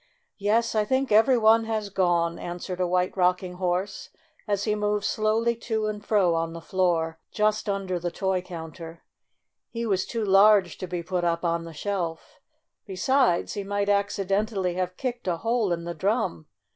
"Yes, I think every one has gone," an swered a White Rocking Horse, as he 3 FUN IN TOY TOWN moved slowly to and fro on the floor, just under the toy counter. He was too large to be put up on the shelf. Besides, he might accidentally have kicked a hole in the drum.